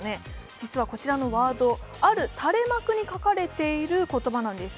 実はこちらのワード、ある垂れ幕に書かれている言葉なんです。